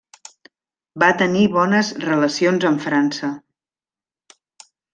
Va tenir bones relacions amb França.